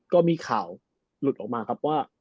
ก็มีข่าวหลุดออกมาครับว่า